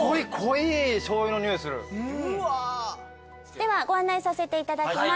ではご案内させていただきます。